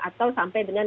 atau sampai dengan